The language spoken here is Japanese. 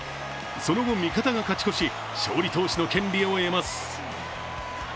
その後味方が勝ち越し、勝利投手の権利を得ます。